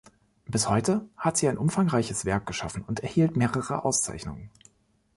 Bis heute hat sie ein umfangreiches Werk geschaffen und erhielt mehrere Auszeichnungen.